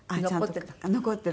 残ってた？